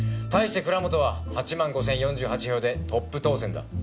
対して蔵本は８万５０４８票でトップ当選だ。